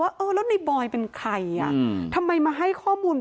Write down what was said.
เพื่อนในหัดใหญ่ที่คบกันมาเนี่ยยันว่าผมจะไปเรียกชาย๑๔คนได้ยังไง